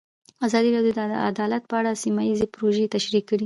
ازادي راډیو د عدالت په اړه سیمه ییزې پروژې تشریح کړې.